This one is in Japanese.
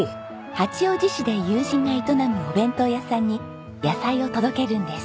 八王子市で友人が営むお弁当屋さんに野菜を届けるんです。